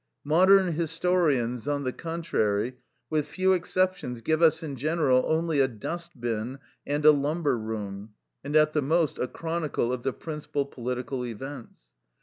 Modern historians, on the contrary, with few exceptions, give us in general only "a dust bin and a lumber room, and at the most a chronicle of the principal political events."